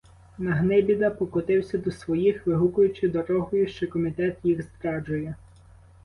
Нагнибіда покотився до своїх, вигукуючи дорогою, що комітет їх зраджує.